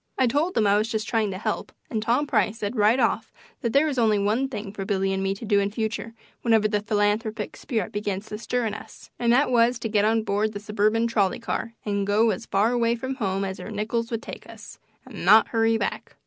I told them I was just trying to help, and Tom Price said right off that there was only one thing for Billy and me to do in future whenever the "philanthropic spirit began to stir" in us, and that was to get on board the suburban trolley car and go as far away from home as our nickels would take us, and not hurry back.